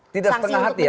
tidak setengah hati ya